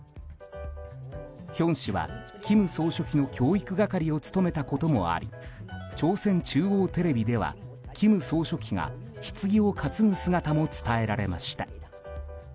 ヒョン氏は、金総書記の教育係を務めたこともあり朝鮮中央テレビでは金総書記がひつぎを担ぐ姿も伝えられました。